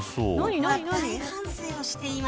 大反省をしています。